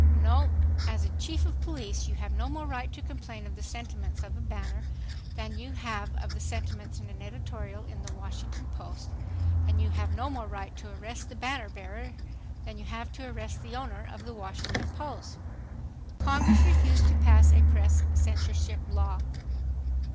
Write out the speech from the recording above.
No. As Chief of Police you have no more right to complain of the sentiments of a banner than you have of the sentiments in an editorial in the Washington Post, and you have no more right to arrest the banner bearer than you have to arrest the owner of the Washington Post .... Congress refused to pass a press censorship law.